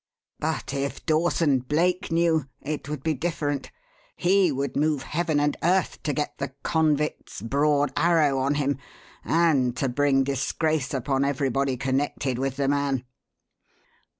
But if Dawson Blake knew, it would be different. He would move heaven and earth to get the convict's 'broad arrow' on him and to bring disgrace upon everybody connected with the man."